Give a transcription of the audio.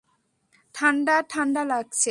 ঠাণ্ডা ঠাণ্ডা লাগছে।